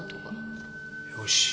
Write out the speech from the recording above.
よし。